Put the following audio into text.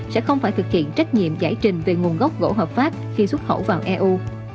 sẽ không phải thực hiện trách nhiệm giải trình về nguồn gốc gỗ hợp pháp khi xuất khẩu vào eu